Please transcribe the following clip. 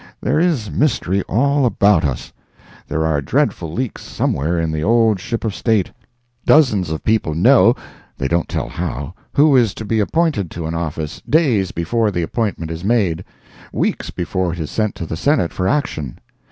There is mystery all about us. There are dreadful leaks somewhere in the old Ship of State. Dozens of people know (they don't tell how,) who is to be appointed to an office, days before the appointment is made—weeks before it is sent to the Senate for action.